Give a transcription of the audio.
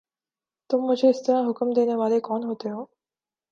تم مجھے اس طرح حکم دینے والے کون ہوتے ہو؟